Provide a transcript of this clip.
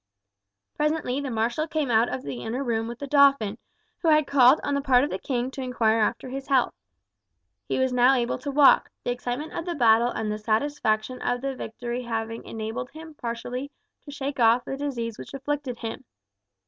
Presently the marshal came out from the inner room with the dauphin, who had called on the part of the king to inquire after his health. He was now able to walk, the excitement of the battle and the satisfaction of the victory having enabled him partially to shake off the disease which afflicted him.